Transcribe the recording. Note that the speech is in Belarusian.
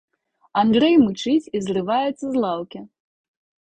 Андрэй мычыць і зрываецца з лаўкі.